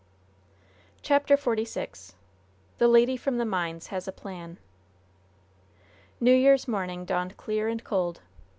CHAPTER XLVI THE LADY FROM THE MINES HAS A PLAN New Year's morning dawned clear and cold.